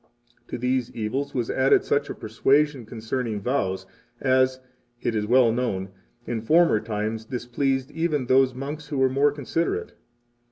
To 10 these evils was added such a persuasion concerning vows as, it is well known, in former times displeased even those monks who were more considerate.